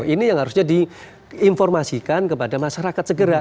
ini yang harusnya diinformasikan kepada masyarakat segera